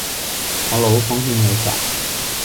我老奉欠你架？